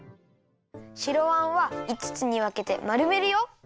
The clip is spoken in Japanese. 白あんはいつつにわけてまるめるよ。